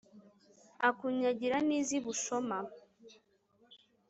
akunyagira n'iz'i bushyoma